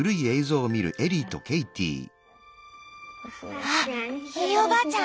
わっひいおばあちゃん！